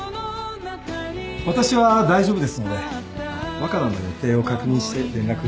私は大丈夫ですので若菜の予定を確認して連絡させていただきます。